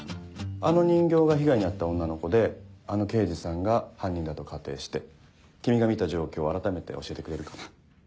あの人形が被害に遭った女の子であの刑事さんが犯人だと仮定して君が見た状況をあらためて教えてくれるかな。